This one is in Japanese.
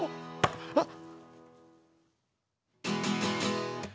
あっ！